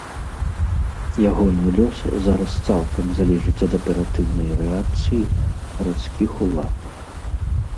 Ягоны лёс зараз цалкам залежыць ад аператыўнай рэакцыі гарадскіх улад.